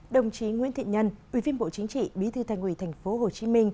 đồng chí nguyễn thị nhân ủy viên bộ chính trị bí thư thành ủy tp hcm